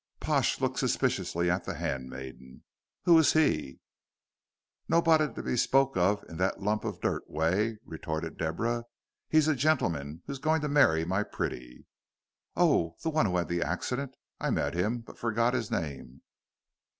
Pash looked suspiciously at the handmaiden. "Who is he?" "Nobody to be spoke of in that lump of dirt way," retorted Deborah. "He's a gentleman who's going to marry my pretty." "Oh, the one who had the accident! I met him, but forgot his name."